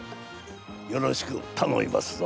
よろしくたのみますぞ。